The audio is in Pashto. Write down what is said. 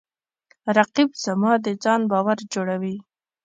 رقیب زما د ځان باور جوړوي